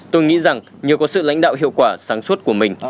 tôi nghĩ rằng nhờ có sự lãnh đạo hiệu quả sáng suốt của mình